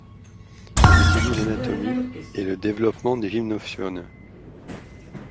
Il étudie l’anatomie et le développement des gymnophiones.